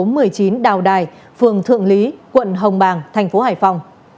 đối tượng nguyễn đào đài phường thượng lý quận hồng bàng tp hải phòng